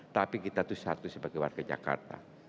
tapi kita itu satu sebagai warga jakarta